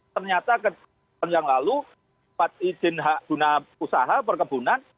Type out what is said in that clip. ternyata tahun yang lalu sempat izin hak guna usaha perkebunan